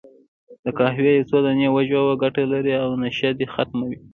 د قهوې یو څو دانې وژووه، ګټه لري، او نشه دې ختمه وي.